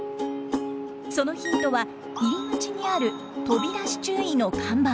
そのヒントは入り口にある飛び出し注意の看板。